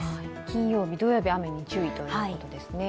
金曜日、土曜日、雨に注意ということですね。